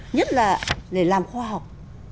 nhất là để làm khoa học